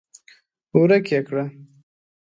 ورک يې کړه!